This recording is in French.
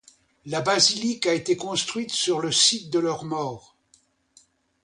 La basilique a été construite sur le site de leur mort.